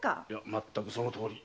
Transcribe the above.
まったくそのとおり。